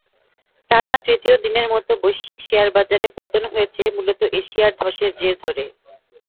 টানা তৃতীয় দিনের মতো বৈশ্বিক শেয়ারবাজারে পতন হয়েছে মূলত এশিয়ায় ধসের জের ধরে।